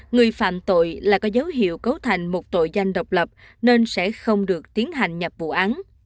người phạm tội là có dấu hiệu cấu thành một tội danh độc lập nên sẽ không được tiến hành nhập vụ án